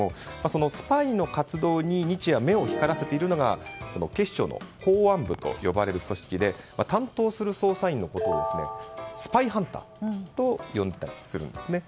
そのスパイの活動に日夜、目を光らせているのが警視庁の公安部と呼ばれる組織で担当する捜査員のことをスパイハンターと呼んでいたりするんですね。